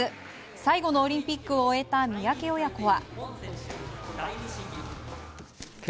最後のオリンピックを終えた三宅親子は。